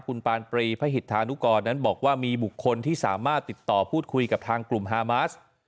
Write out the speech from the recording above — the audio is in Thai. คุณปานปรีพระหิตธานุกรนั้นบอกว่ามีบุคคลที่สามารถติดต่อพูดคุยกับทางกลุ่มฮามาส